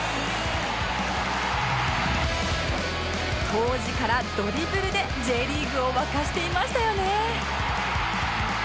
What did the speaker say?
当時からドリブルで Ｊ リーグを沸かせていましたよね